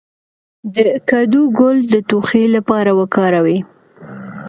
د کدو ګل د ټوخي لپاره وکاروئ